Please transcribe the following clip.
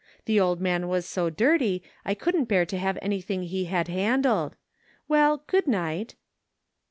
The old man was so dirty I couldn't bear to have anything he had handled. Well, good night."